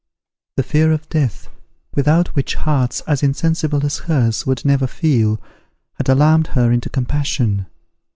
The fear of death, without which hearts as insensible as hers would never feel, had alarmed her into compassion.